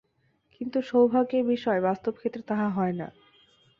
কিন্তু সৌভাগ্যের বিষয় বাস্তব ক্ষেত্রে তাহা হয় না।